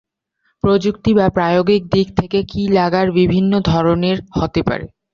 প্রযুক্তি বা প্রায়োগিক দিক থেকে কী-লগার বিভিন্ন ধরনের হতে পারে।